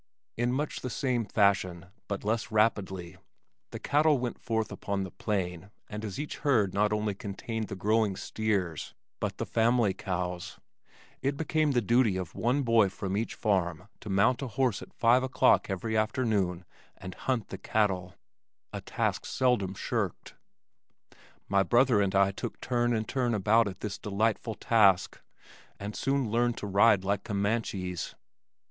In much the same fashion, but less rapidly, the cattle went forth upon the plain and as each herd not only contained the growing steers, but the family cows, it became the duty of one boy from each farm to mount a horse at five o'clock every afternoon and "hunt the cattle," a task seldom shirked. My brother and I took turn and turn about at this delightful task, and soon learned to ride like Comanches.